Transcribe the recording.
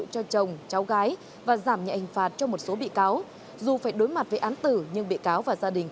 cho chồng cháu gái và giảm nhạy ảnh phạt cho một số bị cáo dù phải đối mặt với án tử nhưng bị cáo và gia đình